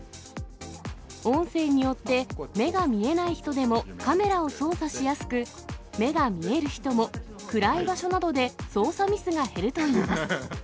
音声によって目が見えない人でも、カメラを操作しやすく、目が見える人も、暗い場所などで操作ミスが減るといいます。